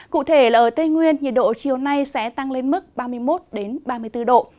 cụ thể là ở tây nguyên nhiệt độ chiều nay sẽ tăng lên mức ba mươi một ba mươi bốn độ